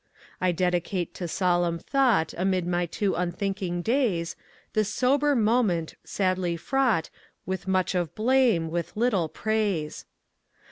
I dedicate to solemn thought Amid my too unthinking days, This sober moment, sadly fraught With much of blame, with little praise.